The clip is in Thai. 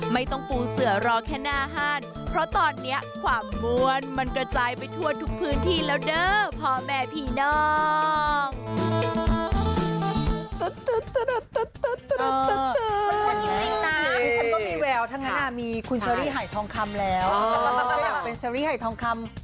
ปูเสือรอแค่หน้าห้านเพราะตอนนี้ความม้วนมันกระจายไปทั่วทุกพื้นที่แล้วเด้อพ่อแม่พี่น้อง